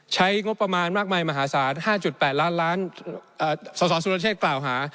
ใช้งบประมาณมากมายมหาศาล๕๘ล้านล้านสสสุรเชษฐ์กล่าวหา